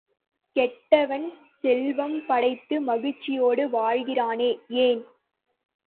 கெட்டவன் செல்வம் படைத்து மகிழ்ச்சியோடு வாழ்கிறானே ஏன்?